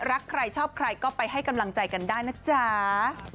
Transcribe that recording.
รักใครชอบใครก็ไปให้กำลังใจกันได้นะจ๊ะ